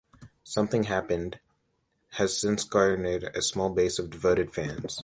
"Something Happened" has since garnered a small base of devoted fans.